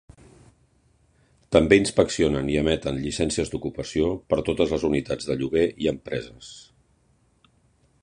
També inspeccionen i emeten llicències d'ocupació per a totes les unitats de lloguer i empreses.